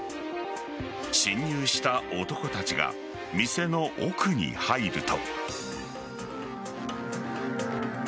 侵入した男たちが店の奥に入ると。